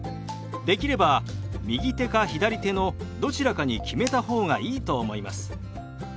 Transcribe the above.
できれば右手か左手のどちらかに決めた方がいいと思います。